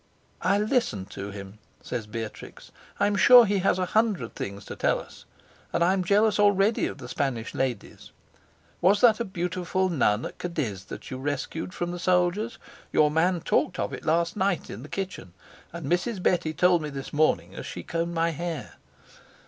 "I'll listen to him," says Beatrix. "I am sure he has a hundred things to tell us. And I'm jealous already of the Spanish ladies. Was that a beautiful nun at Cadiz that you rescued from the soldiers? Your man talked of it last night in the kitchen, and Mrs. Betty told me this morning as she combed my hair.